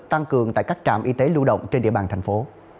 tăng cường tại các trạm y tế lưu động trên địa bàn thành phố